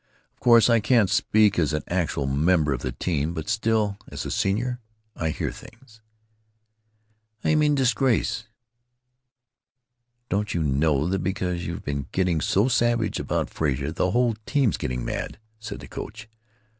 Of course I can't speak as an actual member of the team, but still, as a senior, I hear things——" "How d'you mean 'disgrace'?" "Don't you know that because you've been getting so savage about Frazer the whole team 's getting mad?" said the coach.